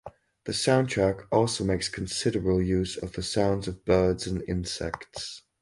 The soundtrack also makes considerable use of the sounds of birds and insects.